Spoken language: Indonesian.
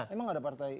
emang ada partai